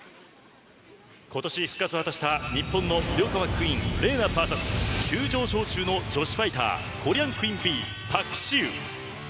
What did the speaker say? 今年、復活を果たした日本のツヨカワクイーンＲＥＮＡＶＳ急上昇中の女子ファイターコリアンクインビー、パク・シウ。